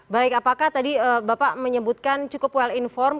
baik apakah tadi bapak menyebutkan cukup well informe